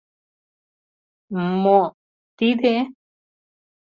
— М-мо... т-ти-де?!